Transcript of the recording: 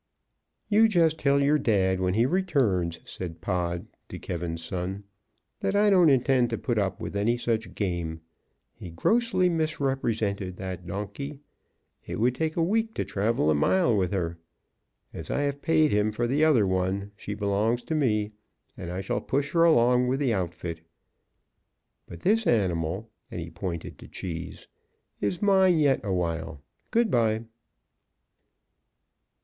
"You just tell your dad when he returns," said Pod to K 's son, "that I don't intend to put up with any such game. He grossly misrepresented that donkey; it would take a week to travel a mile with her. As I have paid him for the other one, she belongs to me and I shall push her along with the outfit. But this animal," and he pointed to Cheese, "is mine yet awhile. Good bye."